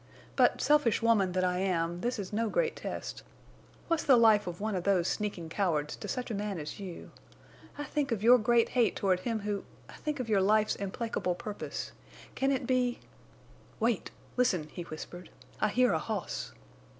But, selfish woman that I am, this is no great test. What's the life of one of those sneaking cowards to such a man as you? I think of your great hate toward him who—I think of your life's implacable purpose. Can it be—" "Wait!... Listen!" he whispered. "I hear a hoss."